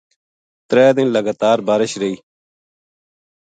تَرے دن لگاتار بارش رہی۔